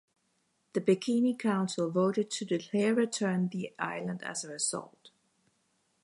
The Bikini Council voted to delay a return the island as a result.